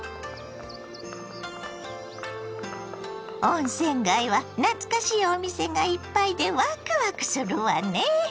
温泉街は懐かしいお店がいっぱいでワクワクするわね。